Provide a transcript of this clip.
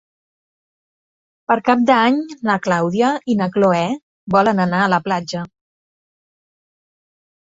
Per Cap d'Any na Clàudia i na Cloè volen anar a la platja.